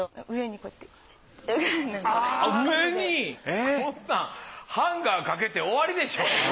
こんなんハンガーかけて終わりでしょ。